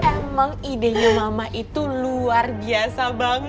emang idenya mama itu luar biasa banget